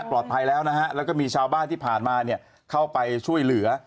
แล้วก็มีชาวบ้านที่ผ่านมาเข้าไปช่วยเหลือ